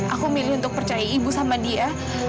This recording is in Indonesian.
aku milih untuk percaya ibu sama dia